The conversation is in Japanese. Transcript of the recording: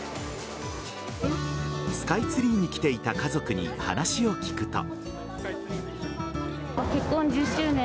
スカイツリーに来ていた家族に話を聞くと。